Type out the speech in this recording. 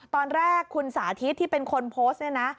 ตอนแรกคุณสาธิตที่เป็นคนโพสต์เนี่ยนะ